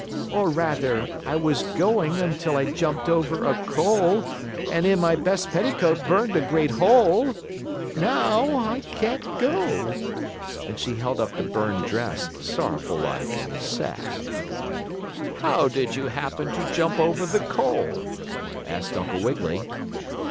Or, rather, I was going until I jumped over a coal, and in my best petticoat burned a great hole. Now I can't go," and she held up the burned dress, sorrowful like and sad. "How did you happen to jump over the coal?" asked Uncle Wiggily.